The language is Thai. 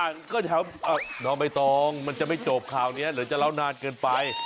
มันก็แถวน้องใบตองมันจะไม่จบข่าวนี้หรือจะเล่านานเกินไป